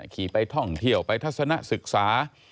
ขี่ไปท่องเที่ยวไปทัศนะศึกษา